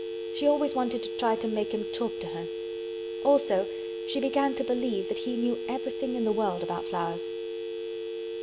She always wanted to try to make him talk to her. Also she began to believe that he knew everything in the world about flowers.